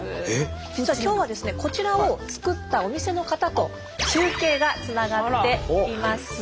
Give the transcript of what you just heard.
実は今日はですねこちらを作ったお店の方と中継がつながっています。